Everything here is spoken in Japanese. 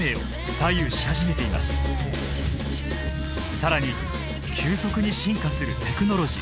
更に急速に進化するテクノロジー。